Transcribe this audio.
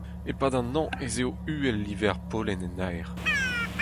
E-pad an hañv ez eo uhel live ar pollen en aer.